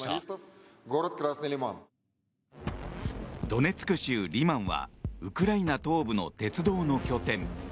ドネツク州リマンはウクライナ東部の鉄道の拠点。